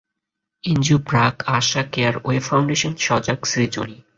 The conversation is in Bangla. NGO BRAC, ASA, CARE, Wave Foundation, Sajag, Srijani.